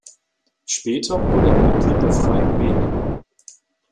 Später wurde er Mitglied der Freien Wähler.